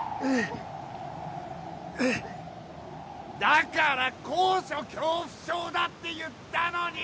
だから高所恐怖症だって言ったのに！